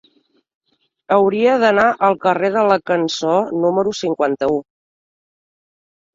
Hauria d'anar al carrer de la Cançó número cinquanta-u.